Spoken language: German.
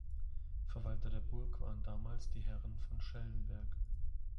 Verwalter der Burg waren damals die Herren von Schellenberg.